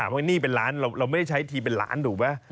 ไม่ใช้ทีเป็นล้านถูกป่ะ